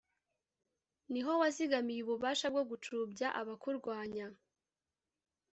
ni ho wizigamiye ububasha bwo gucubya abakurwanya